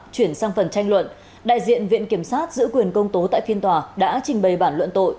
chuyển sang phần tranh luận đại diện viện kiểm sát giữ quyền công tố tại phiên tòa đã trình bày bản luận tội